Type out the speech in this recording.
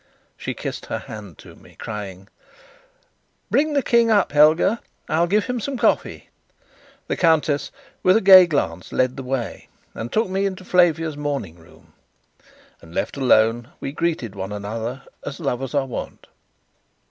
She kissed her hand to me, crying: "Bring the King up, Helga; I'll give him some coffee." The countess, with a gay glance, led the way, and took me into Flavia's morning room. And, left alone, we greeted one another as lovers are wont.